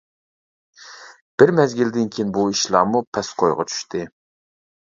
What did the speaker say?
بىر مەزگىلدىن كېيىن بۇ ئىشلارمۇ پەس كويغا چۈشتى.